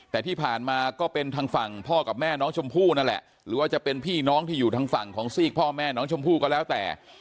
แต่ที่ผ่านมาก็เป็นทางฝั่งพ่อกับแม่น้องชมพู่นั่นแหละหรือว่าจะเป็นพี่น้องที่อยู่ทางฝั่งของซีกพ่อแม่น้องชมพู่ก็แล้วแต่